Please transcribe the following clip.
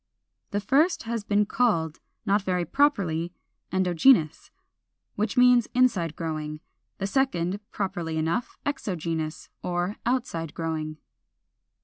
The first has been called, not very properly, Endogenous, which means inside growing; the second, properly enough, Exogenous, or outside growing.